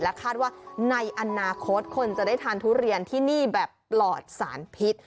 คาดว่าในอนาคตคนจะได้ทานทุเรียนที่นี่แบบปลอดสารพิษ